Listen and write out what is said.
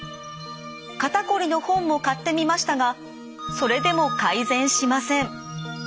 肩こりの本も買ってみましたがそれでも改善しません。